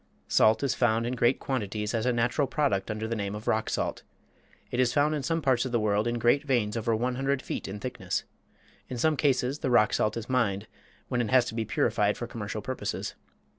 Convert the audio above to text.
Salt is found in great quantities as a natural product under the name of rock salt. It is found in some parts of the world in great veins over 100 feet in thickness. In some cases the rock salt is mined, when it has to be purified for commercial purposes.